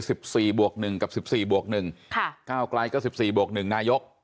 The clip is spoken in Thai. สิบสี่บวกหนึ่งกับสิบสี่บวกหนึ่งค่ะก้าวไกลก็สิบสี่บวกหนึ่งนายก